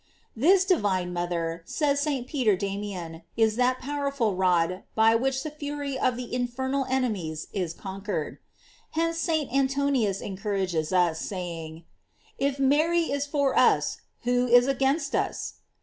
"f This divine mother, says St. Peter Da mian, is that powerful rod by which the fury o£ the infernal enemies is conquered. J Hence St. Antoninus encourages us, saying: If Mary is for us, who is against us?